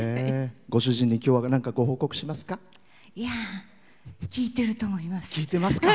ご主人にきょうはご報告しますか？